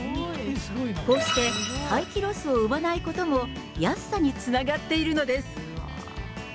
こうして、廃棄ロスを生まないことも、安さにつながっているのです。